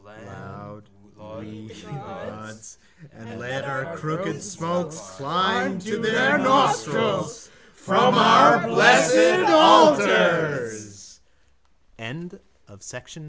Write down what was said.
Laud we the gods And let our crooked smokes climb to their nostrils From our bless'd altars.